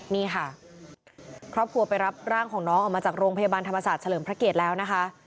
นี่ค่ะครอบครัวไปรับร่างของน้องออกมาจากโรงพยาบาลธรรมศาสตร์เฉลิมพระเกียรติแล้วนะคะ